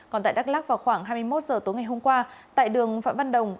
còn tại đắk lắc vào khoảng hai mươi một h tối ngày hôm qua tại đường phạm văn đồng